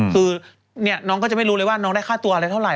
คือน้องก็จะไม่รู้เลยว่าน้องได้ค่าตัวอะไรเท่าไ